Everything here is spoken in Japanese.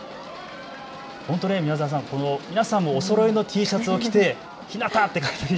本当、宮澤さん、皆さんおそろいのＴシャツを着てひなたって。